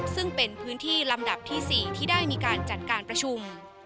ซึ่งเป็นพื้นที่ลำดับที่๔ที่ได้มีการจัดการประชุม